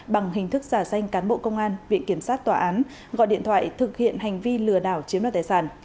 bằng hình thức giả danh cán bộ công an viện kiểm sát tòa án gọi điện thoại thực hiện hành vi lừa đảo chiếm đoạt tài sản